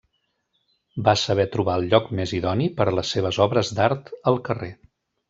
Va saber trobar el lloc més idoni per les seves obres d’art, el carrer.